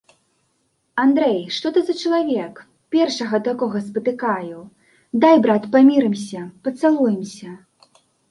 Андрэй, што ты за чалавек, першага такога спатыкаю, дай, брат, памірымся, пацалуемся.